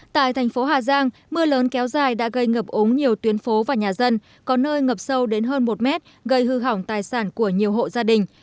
tại thành phố hà giang mưa lớn kéo dài đã gây ngập ống nhiều tuyến phố và nhà dân có nơi ngập sâu đến hơn một mét gây hư hỏng tài sản của nhiều hộ gia đình